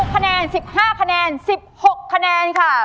คะแนน๑๕คะแนน๑๖คะแนนค่ะ